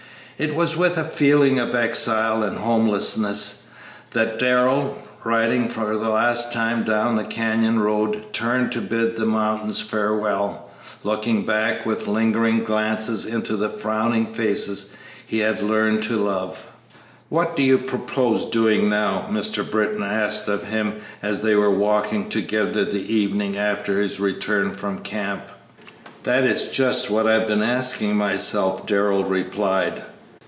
It was with a feeling of exile and homelessness that Darrell, riding for the last time down the canyon road, turned to bid the mountains farewell, looking back with lingering glances into the frowning faces he had learned to love. "What do you propose doing now?" Mr. Britton asked of him as they were walking together the evening after his return from camp. "That is just what I have been asking myself," Darrell replied.